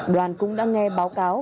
đoàn cũng đã nghe báo cáo